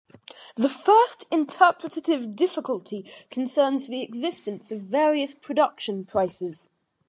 The first interpretative difficulty concerns the existence of various production prices.